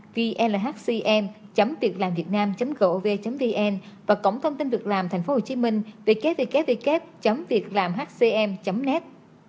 vlhcm việclamvietnam gov vn và cổng thông tin việc làm tp hcm www việclamhcm net